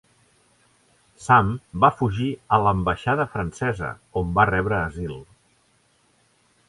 Sam va fugir a l'ambaixada francesa, on va rebre asil.